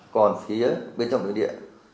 còn phía bên trong địa điện